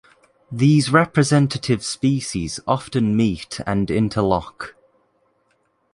These representative species often meet and interlock.